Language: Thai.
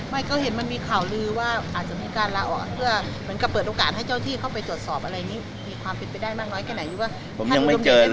ไม่ก็เห็นมันมีข่าวลือว่าอาจจะมีการลาออกเพื่อเหมือนกับเปิดโอกาสให้เจ้าที่เข้าไปตรวจสอบอะไรอย่างนี้มีความเป็นไปได้มากน้อยแค่ไหนที่ว่าท่าน